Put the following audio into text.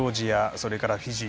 それから、フィジー。